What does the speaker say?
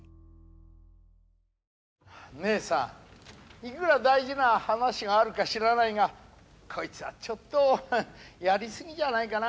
いくら大事な話があるか知らないがこいつはちょっとやり過ぎじゃないかな。